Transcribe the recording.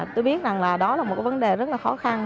tôi biết rằng là đó là một cái vấn đề rất là khó khăn